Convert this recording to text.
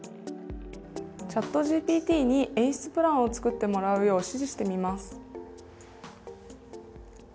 ＣｈａｔＧＰＴに演出プランを作ってもらうよう指示してみます。